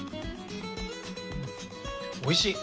おいしい。